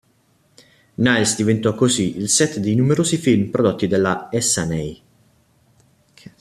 Niles diventò, così, il set dei numerosi film prodotti dalla Essanay.